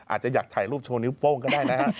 อาจจะอยากถ่ายรูปโชว์นิ้วโป้งก็ได้นะฮะ